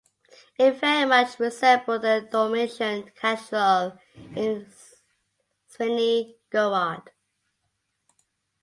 It very much resembled the Dormition Cathedral in Zvenigorod.